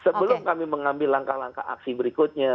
sebelum kami mengambil langkah langkah aksi berikutnya